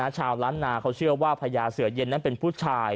ชาวล้านนาเขาเชื่อว่าพญาเสือเย็นนั้นเป็นผู้ชาย